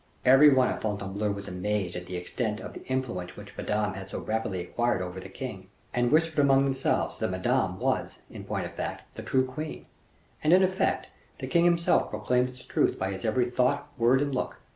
Every one at Fontainebleau was amazed at the extent of the influence which Madame had so rapidly acquired over the king, and whispered among themselves that Madame was, in point of fact, the true queen; and in effect, the king himself proclaimed its truth by his every thought, word, and look.